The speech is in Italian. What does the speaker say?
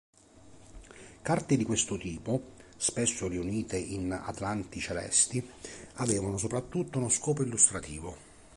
Carte di questo tipo, spesso riunite in atlanti celesti, avevano soprattutto uno scopo illustrativo.